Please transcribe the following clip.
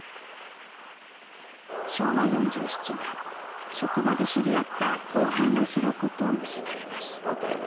昭和４７年職場で知り合った後輩のひろ子と結ばれます。